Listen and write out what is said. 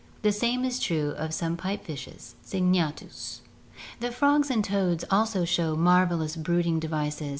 The same is true of some pipe fishes (Syngnatkus). The frogs and toads also show marvelous brooding devices, es ^^^.